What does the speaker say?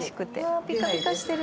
わあピカピカしてる。